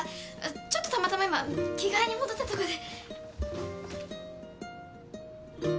ちょっとたまたま今着替えに戻ったとこで。